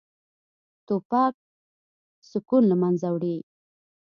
توپک سکون له منځه وړي.